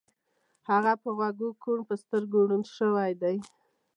هغه په غوږو کوڼ او په سترګو ړوند شوی دی